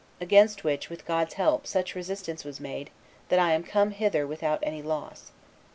Against which, with God's help, such resistance was made, that I am come hither without any loss.